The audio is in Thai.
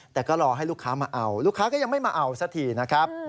แต่ก็รอให้ลูกค้ามาเอาลูกค้าก็ยังไม่มาเอาสักทีนะครับ